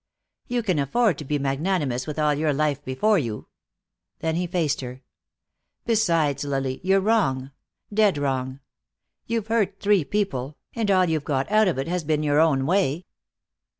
"You can afford to be magnanimous with all your life before you." Then he faced her. "Besides, Lily, you're wrong. Dead wrong. You've hurt three people, and all you've got out of it has been your own way."